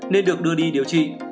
nên được đưa đi điều trị